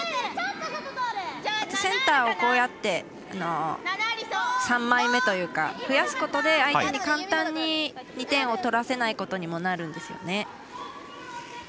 センターをこうやって３枚目というか増やすことで、相手に簡単に２点を取らせないことにもなるんですよね。